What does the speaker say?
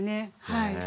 はい。